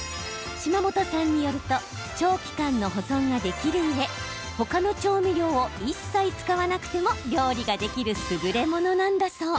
島本さんによると長期間の保存ができるうえ他の調味料を一切使わなくても料理ができる優れものなんだそう。